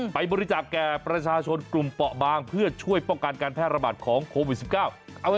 ไปบริจาคแก่ประชาชนกลุ่มเปาะบางเพื่อช่วยป้องกันการแพร่ระบาดของโควิด๑๙